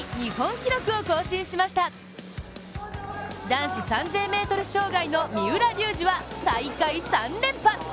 男子３０００ｍ障害の三浦龍司は大会３連覇。